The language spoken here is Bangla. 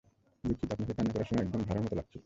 দুঃখিত, আপনাকে কান্না করার সময় একদম ভাঁড়ের মতো লাগছিল!